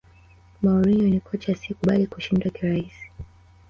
mourinho ni kocha asiyekubali kushindwa kirahisi